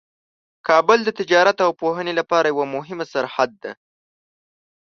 کابل د تجارت او پوهنې لپاره یوه مهمه سرحد ده.